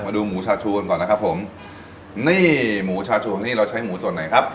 นี่หมูชาชูวันนี่เราใช้หมูส่วนไหนครับ